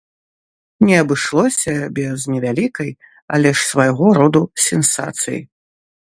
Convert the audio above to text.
Не абышлося без невялікай, але ж свайго роду сенсацыі.